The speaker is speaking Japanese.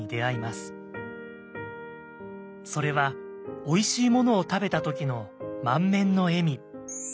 それはおいしいものを食べた時の満面の笑み。